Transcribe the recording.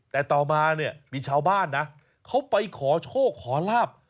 แต่ต่อมาเนี่ยมีชาวบ้านนะเขาไปขอโชคขอลาบ